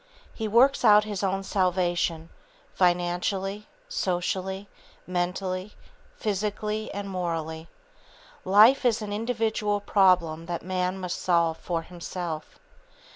He works out his own salvation, financially, socially, mentally, physically, and morally. Life is an individual problem that man must solve for himself.